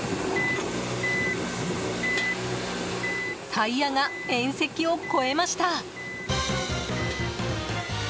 タイヤが縁石を越えました。